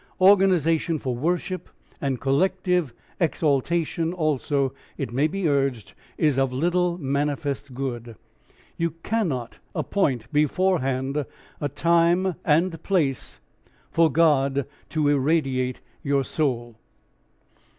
Organisation for worship and collective exaltation also, it may be urged, is of little manifest good. You cannot appoint beforehand a time and place for God to irradiate your soul.